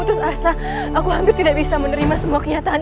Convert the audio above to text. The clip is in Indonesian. ini kakak prabu mudinda